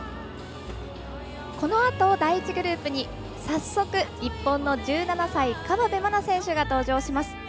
このあと、第１グループに早速、日本の１７歳河辺愛菜選手が登場します。